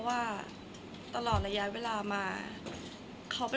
คนเราถ้าใช้ชีวิตมาจนถึงอายุขนาดนี้แล้วค่ะ